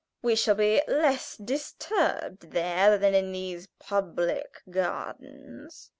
We shall be less disturbed there than in these public gardens."